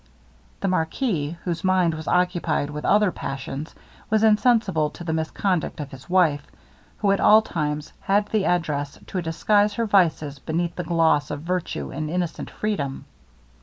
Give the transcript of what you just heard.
The marquis, whose mind was occupied with other passions, was insensible to the misconduct of his wife, who at all times had the address to disguise her vices beneath the gloss of virtue and innocent freedom.